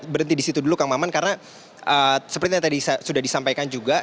berhenti di situ dulu kang maman karena seperti yang tadi sudah disampaikan juga